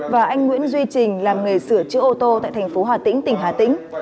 và anh nguyễn duy trình làm nghề sửa chữa ô tô tại thành phố hà tĩnh tỉnh hà tĩnh